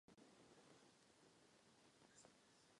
Kuvajtu se proto někdy přezdívá „Hollywood Zálivu“.